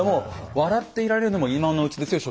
笑っていられるのも今のうちですよ所長。